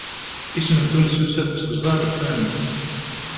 Isem n Tunes yusa-d seg uẓaṛ ens.